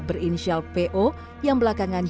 berinisial po yang belakangan